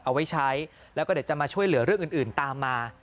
เอาไว้ใช้แล้วก็เดี๋ยวจะมาช่วยเหลือเรื่องอื่นตามมา